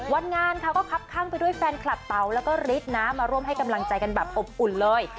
วันงานค่ะก็คับข้างไปด้วยแฟนคลับเต๋าแล้วก็ฤทธิ์นะมาร่วมให้กำลังใจกันแบบอบอุ่นเลย